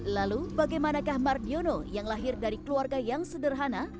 lalu bagaimanakah mardiono yang lahir dari keluarga yang sederhana